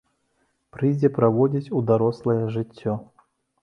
Прыйдзе праводзіць у дарослае жыццё.